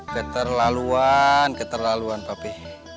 keterlaluan keterlaluan papi